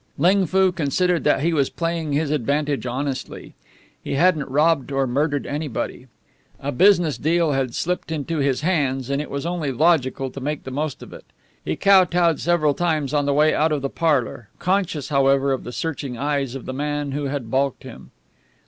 Ling Foo considered that he was playing his advantage honestly. He hadn't robbed or murdered anybody. A business deal had slipped into his hands and it was only logical to make the most of it. He kotowed several times on the way out of the parlour, conscious, however, of the searching eyes of the man who had balked him.